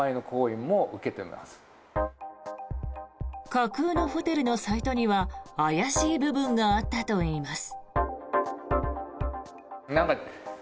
架空のホテルのサイトには怪しい部分があったといいます。